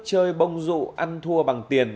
chơi bông rụ ăn thua bằng tiền